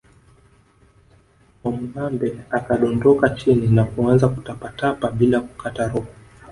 Mwamubambe akadondoka chini na kuanza kutapatapa bila kukata roho